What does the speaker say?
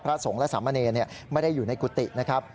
สงฆ์และสามเณรไม่ได้อยู่ในกุฏินะครับ